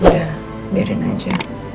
udah biarin aja